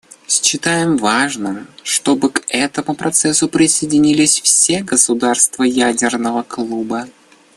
Считаем важным, чтобы к этому процессу присоединились все государства «ядерного клуба».